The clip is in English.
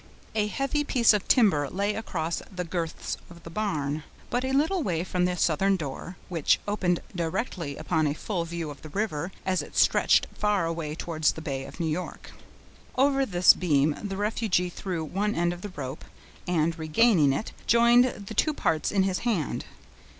A heavy piece of timber lay across the girths of the barn, but a little way from the southern door, which opened directly upon a full view of the river, as it stretched far away towards the bay of New York. Over this beam the refugee threw one end of the rope, and, regaining it, joined the two parts in his hand.